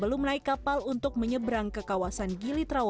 sebelum naik kapal untuk menyeberang ke kawasan gili terawangan